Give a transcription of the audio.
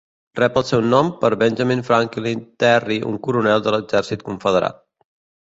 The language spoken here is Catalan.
Rep el seu nom per Benjamin Franklin Terry, un coronel de l'exèrcit confederat.